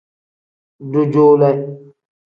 Dujuule.